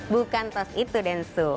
bukan tos itu densu